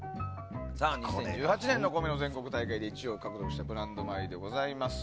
２０１８年、米の全国大会で１位を獲得したブランド米でございます。